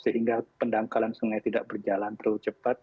sehingga pendangkalan sungai tidak berjalan terlalu cepat